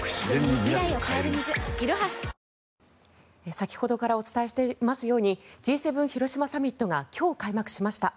先ほどからお伝えしていますようにＧ７広島サミットが今日開幕しました。